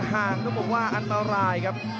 ห่างต้องบอกว่าอันตรายครับ